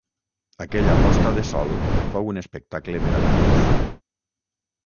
Aquella posta de sol fou un espectacle meravellós.